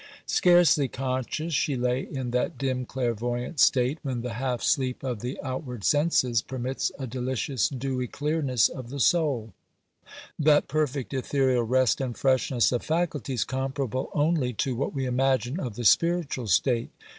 Scarcely conscious, she lay in that dim clairvoyant state, when the half sleep of the outward senses permits a delicious dewy clearness of the soul; that perfect ethereal rest and freshness of faculties, comparable only to what we imagine of the spiritual state.